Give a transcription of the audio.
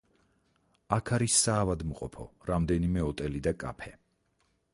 აქ არის საავადმყოფო, რამდენიმე ოტელი და კაფე.